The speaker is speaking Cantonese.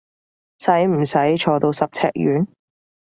使唔使坐到十尺遠？